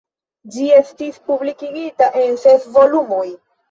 Ĝi estis publikigita en ses volumoj.